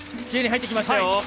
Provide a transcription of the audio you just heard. きれいに入ってきました。